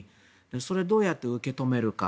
それをどうやって受け止めるか。